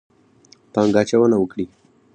پانګه اچونه وکړي.